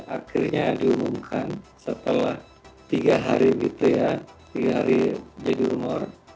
akhirnya diumumkan setelah tiga hari bitria tiga hari jadi rumor